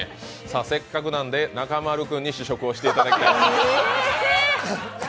せっかくなんで、中丸君に試食をしていただきます。